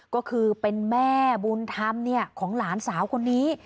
ก็คือเป็นแม่บุญธรรมของหลานสาวคนนี้